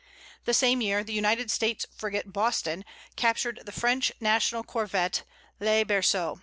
The same year, the United States frigate Boston captured the French national corvette Le Berceau.